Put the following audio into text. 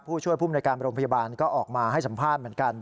ผู้ช่วยภูมิในการโรงพยาบาลก็ออกมาให้สัมภาษณ์เหมือนกัน